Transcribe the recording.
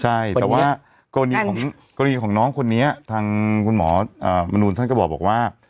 ใช่แต่ว่ากรณีของกรณีของน้องคนนี้ทางคุณหมอมนูลท่านก็บอกว่า